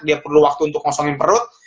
dia perlu waktu untuk ngosongin perut